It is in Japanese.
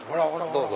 どうぞ。